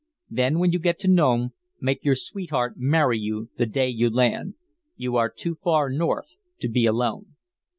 Then when you get to Nome, make your sweetheart marry you the day you land. You are too far north to be alone."